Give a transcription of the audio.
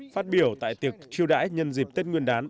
phát biểu tại tiệc chiêu đãi nhân dịp tết nguyên đán